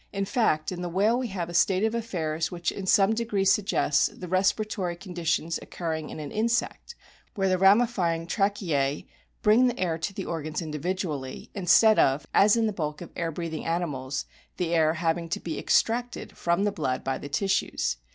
In fact, in the whale we have a state of affairs which in some degree suggests the respiratory conditions occurring in an insect, where the ramifying tracheae bring the air to the organs individually, instead of as in the bulk of air breathing animals the air having to be ex tracted from the blood by the tissues.